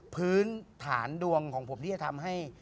พื้นฐานดวงของผมที่จะทำให้